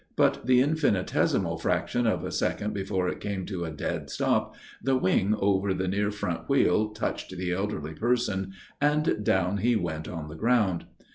But the infinitesimal fraction of a second before it came to a dead stop the wing over the near front wheel touched the elderly person and down he went on the ground.